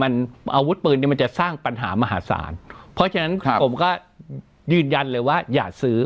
มันอาวุธปืนเนี้ยมันจะสร้างปัญหามหาศาลเพราะฉะนั้นผมก็ยืนยันเลยว่าอย่าซื้อ